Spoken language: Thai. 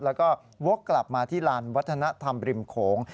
แล้วก็วกกลับมาที่ลานวัฒนธรรมริมโขง